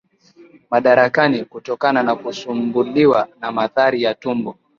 Madarakani kutokana na kusumbuliwa na maradhi ya tumbo